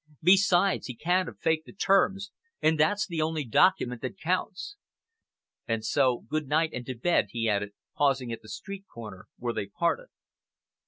Besides, he can't have faked the terms, and that's the only document that counts. And so good night and to bed," he added, pausing at the street corner, where they parted.